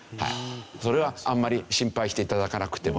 それはあんまり心配して頂かなくてもいい。